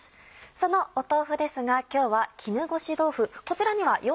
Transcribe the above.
その豆腐ですが今日は絹ごし豆腐。